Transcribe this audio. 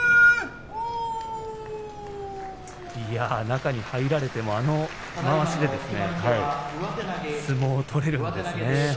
中に入られても、あのまわしで相撲を取れるんですね。